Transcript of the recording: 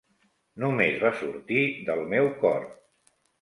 Només va sortir del meu cor.